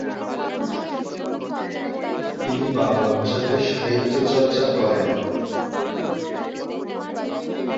তিনি বাংলা ভাষাতে সাহিত্যচর্চা করেন।